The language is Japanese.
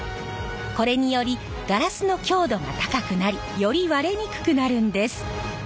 これによりガラスの強度が高くなりより割れにくくなるんです！